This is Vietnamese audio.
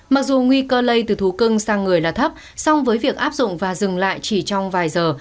mặc dù nguy cơ lây từ thú cưng sang người là thấp song với việc áp dụng và dừng lại chỉ trong vài giờ